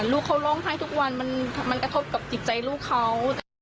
ลูกเขาร้องไห้ทุกวันมันกระทบกับจิตใจลูกเขา